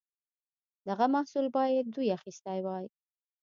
دغه محصول باید دوی اخیستی وای.